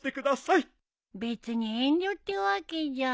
別に遠慮ってわけじゃ。